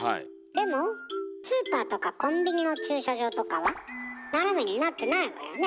でもスーパーとかコンビニの駐車場とかは斜めになってないわよね。